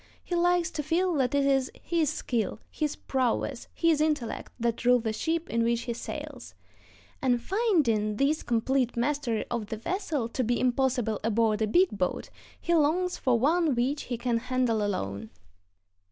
He likes to feel that it is his skill, his prowess, his intellect, that rule the ship in which he sails; and finding this complete mastery of the vessel to be impossible aboard a big boat, he longs for one which he can handle alone.